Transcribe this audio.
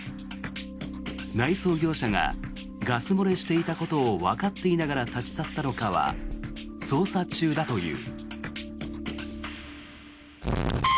内装業者がガス漏れしていたことをわかっていながら立ち去ったのかは捜査中だという。